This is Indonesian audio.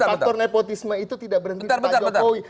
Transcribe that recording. faktor nepotisme itu tidak berhenti pak jokowi